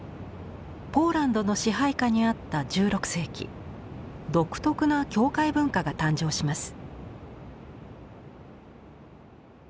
ポーランドの支配下にあった１６世紀独特な教会文化が誕生します。